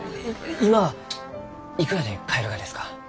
今はいくらで買えるがですか？